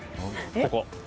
ここ。